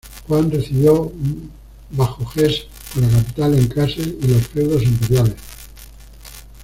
Juan recibió Bajo Hesse con la capital en Kassel y los feudos imperiales.